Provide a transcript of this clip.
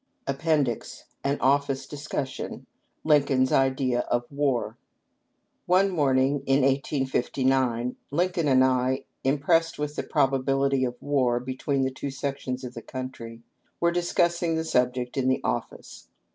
— W. H. H. AN OFFICE DISCUSSION — LINCOLN'S IDEA OF WAR. One morning in 1859, Lincoln and I, impressed with the probability of war between the two sections of the country, were discussing the subject in the office.